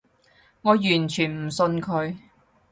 我完全唔信佢